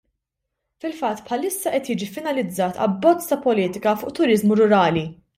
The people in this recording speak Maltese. Fil-fatt bħalissa qed jiġi finalizzat abbozz ta' politika fuq turiżmu rurali.